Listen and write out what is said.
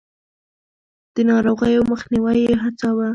د ناروغيو مخنيوی يې هڅاوه.